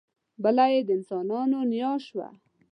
بله یې د انسانانو نیا شوه.